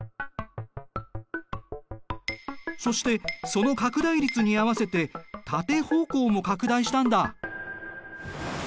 そしてその拡大率に合わせて縦方向も拡大したんだ。